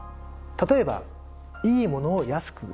例えばいいものを安く売る。